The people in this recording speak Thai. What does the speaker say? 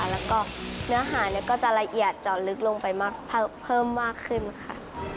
แล้วก็เนื้อหาก็จะละเอียดเจาะลึกลงไปมากเพิ่มมากขึ้นค่ะ